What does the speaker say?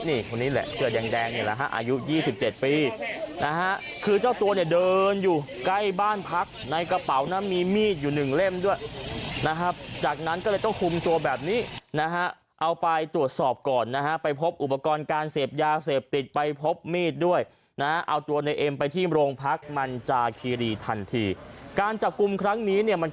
นี่คนนี้แหละเสื้อแดงแดงเนี่ยนะฮะอายุ๒๗ปีนะฮะคือเจ้าตัวเนี่ยเดินอยู่ใกล้บ้านพักในกระเป๋านั้นมีมีดอยู่หนึ่งเล่มด้วยนะครับจากนั้นก็เลยต้องคุมตัวแบบนี้นะฮะเอาไปตรวจสอบก่อนนะฮะไปพบอุปกรณ์การเสพยาเสพติดไปพบมีดด้วยนะฮะเอาตัวในเอ็มไปที่โรงพักมันจาคีรีทันทีการจับกลุ่มครั้งนี้เนี่ยมัน